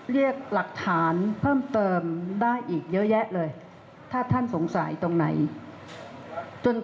เรียกหลักฐานเพิ่มเติมได้อีกเยอะแยะเลยถ้าท่านสงสัยตรงไหนจน